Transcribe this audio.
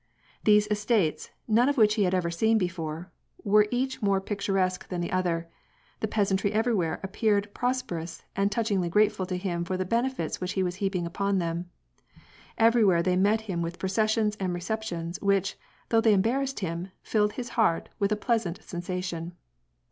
These estates, none of which he had ever seen before, were each more picturesque than the other; the peasantry everywhere appeared prosper ous and touchingly grateful to him for the benefits which he was heaping upon him. Everywhere they met him with pro cessions and receptions, which, though they embarrassed him, filled his heart with a pleasant sensation.